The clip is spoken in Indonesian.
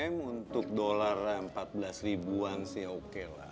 tiga m untuk dolar empat belas ribuan sih oke lah